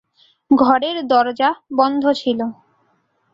ঘরের দরজা বন্ধ ছিল।